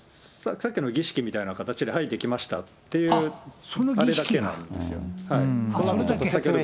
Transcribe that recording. さっきの儀式みたいな形で、はい、できましたってあれだけなそれだけ？